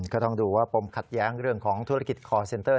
ก็ต้องดูว่าปมขัดแย้งเรื่องของธุรกิจคอร์เซ็นเตอร์